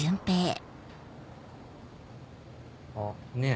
あっねぇ